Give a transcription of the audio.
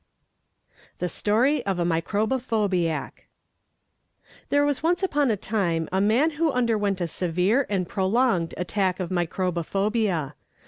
THE STORY OF A MICROBOPHOBIAC There was once upon a time a man who underwent a severe and prolonged attack of Microbophobia.